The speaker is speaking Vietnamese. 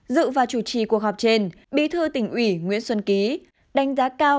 dự và chủ trì cuộc họp trên bí thư tỉnh ủy nguyễn xuân ký đánh giá cao